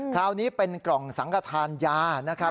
คราวนี้เป็นกล่องสังขทานยานะครับ